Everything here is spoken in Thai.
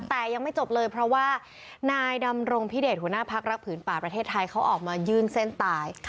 แต่ยังไม่จบเลยเพราะว่านายดำรงพิเดชหัวหน้าพักรักผืนป่าประเทศไทยเขาออกมายื่นเส้นตาย